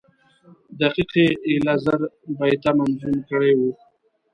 دقیقي ایله زر بیته منظوم کړي وو.